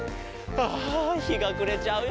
あひがくれちゃうよ。